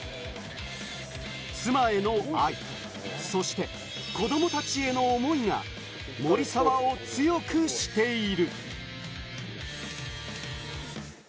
妻への愛、そして子供たちへの思いが守澤を強くしている。